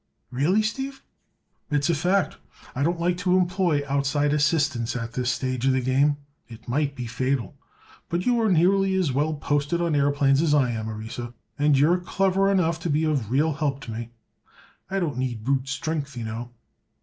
"Really, Steve?" "It's a fact. I don't like to employ outside assistance at this stage of the game; it might be fatal. But you are nearly as well posted on aëroplanes as I am, Orissa, and you're clever enough to be of real help to me. I don't need brute strength, you know."